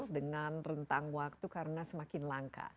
dengan rentang waktu karena semakin langka